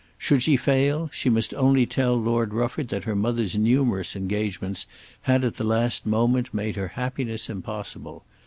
Should she fail she must only tell Lord Rufford that her mother's numerous engagements had at the last moment made her happiness impossible.